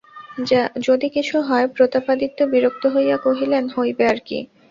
যদি কিছু হয়– প্রতাপাদিত্য বিরক্ত হইয়া কহিলেন, হইবে আর কী?